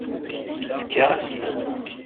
Fkiɣ-as-ten.